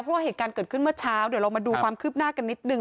เพราะว่าเหตุการณ์เกิดขึ้นเมื่อเช้าเดี๋ยวเรามาดูความคืบหน้ากันนิดนึง